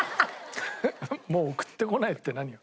「もう送ってこない」って何よ？